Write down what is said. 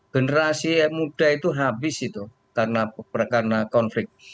generasi muda itu habis itu karena konflik